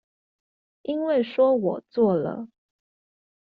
因為說我做了